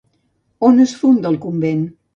On es funda el convent?